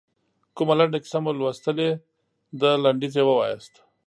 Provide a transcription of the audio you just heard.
کومه لنډه کیسه مو لوستلې ده لنډیز یې ووایاست.